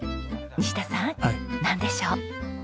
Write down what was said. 西田さんなんでしょう？